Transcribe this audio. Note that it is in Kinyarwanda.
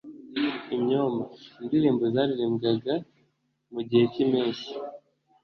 Imyoma: Indirimbo zaririmbwaga mu gihe cy'impeshyi